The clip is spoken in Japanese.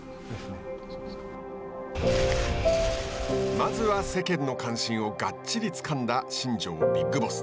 まずは世間の関心をがっちりつかんだ新庄ビッグボス。